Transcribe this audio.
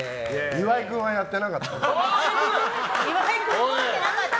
岩井君はやってなかった。